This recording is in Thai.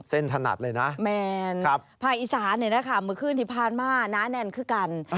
ถนัดเลยนะแมนภาคอีสานเนี่ยนะคะเมื่อคืนที่ผ่านมาน้าแนนคือกัน